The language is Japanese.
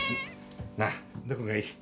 なあどこがいい？